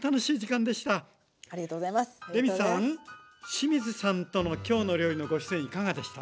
清水さんとの「きょうの料理」のご出演いかがでした？